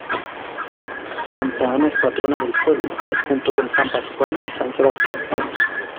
Santa Ana es la patrona del pueblo, junto con San Pascual y San Sebastián.